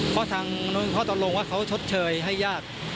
เพราะตอนลงว่าเขาชดเชยให้ญาติ